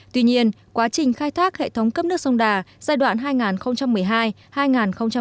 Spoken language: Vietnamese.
tuy nhiên quá trình khai thác hệ thống cấp nước sông đà giai đoạn hai nghìn một mươi hai hai nghìn hai mươi